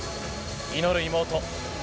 祈る妹。